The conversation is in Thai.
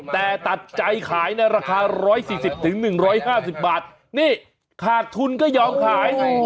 แต่ตัดใจขายในราคา๑๔๐๑๕๐บาทนี่ขาดทุนก็ยอมขาย